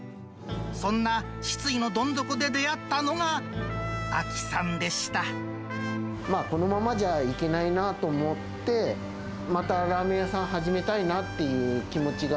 そんな失意のどん底で出会ったのが、このままじゃいけないなと思って、またラーメン屋さん始めたいなっていう気持ちが、